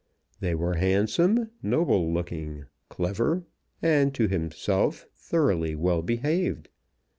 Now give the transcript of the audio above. They were handsome, noble looking, clever, and to himself thoroughly well behaved.